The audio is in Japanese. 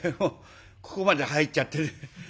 ここまで入っちゃってる。